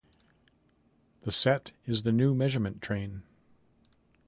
The set is the New Measurement Train.